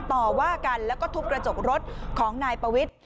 ต่อว่ากันแล้วก็ทุบกระจกรถของนายปวิทย์